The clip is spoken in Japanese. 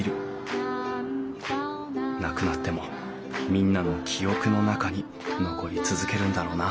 なくなってもみんなの記憶の中に残り続けるんだろうな